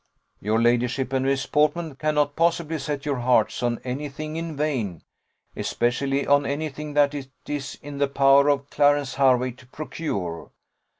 "Your ladyship and Miss Portman cannot possibly set your hearts on any thing in vain especially on any thing that it is in the power of Clarence Hervey to procure.